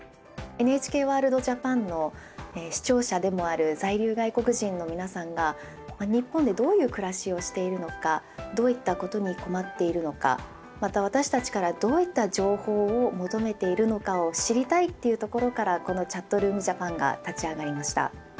ＮＨＫＷＯＲＬＤＪＡＰＡＮの視聴者でもある在留外国人の皆さんが日本でどういう暮らしをしているのかどういったことに困っているのかまた私たちからどういった情報を求めているのかを知りたいというところからこの「ＣｈａｔｒｏｏｍＪａｐａｎ」が立ち上がりました。